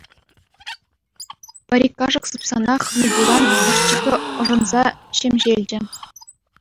Пӗр-ик кашӑк сыпсанах, Микулан ӑшчикӗ ӑшӑнса ҫемҫелчӗ.